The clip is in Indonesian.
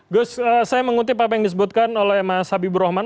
gus saya mengutip apa yang disebutkan oleh mas habibur rahman